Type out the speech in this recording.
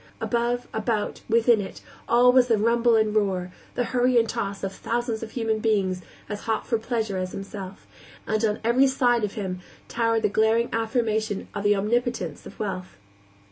Above, about, within it all was the rumble and roar, the hurry and toss of thousands of human beings as hot for pleasure as himself, and on every side of him towered the glaring affirmation of the omnipotence of wealth.